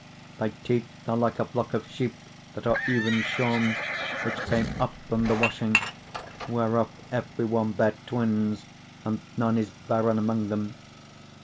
4:2 Thy teeth are like a flock of sheep that are even shorn, which came up from the washing; whereof every one bear twins, and none is barren among them.